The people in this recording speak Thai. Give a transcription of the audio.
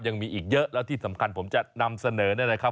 ยังมีอีกเยอะแล้วที่สำคัญผมจะนำเสนอเนี่ยนะครับ